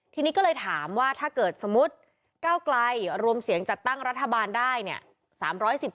ทีนี้ก็เลยถามว่าถ้าเกิดสมมุติก้าวไกลรวมเสียงจัดตั้งรัฐบาลได้เนี่ย